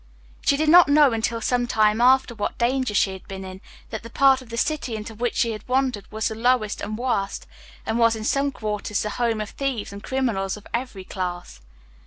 She did not know until some time after what danger she had been in, that the part of the city into which she had wandered was the lowest and worst, and was in some quarters the home of thieves and criminals of every class.